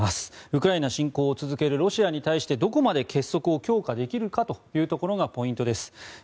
ウクライナ侵攻を続けるロシアに対してどこまで結束を強化できるかというところがポイントです。